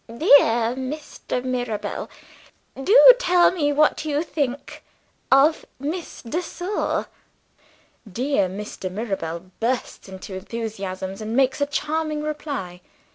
"Dear Mr. Mirabel, do tell me what you think of Miss de Sor?" Dear Mr. Mirabel bursts into enthusiasm and makes a charming reply.